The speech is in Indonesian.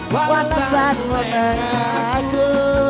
walau satu satunya aku